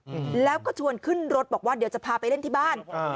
อืมแล้วก็ชวนขึ้นรถบอกว่าเดี๋ยวจะพาไปเล่นที่บ้านอ่า